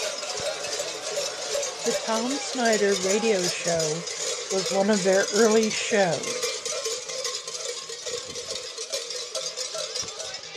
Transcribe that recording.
The Tom Snyder Radio Show was one of their early shows.